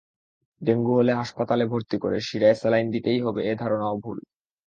Dengue হলে হাসপাতালে ভর্তি করে শিরায় স্যালাইন দিতেই হবে এ ধারণাও ভুল।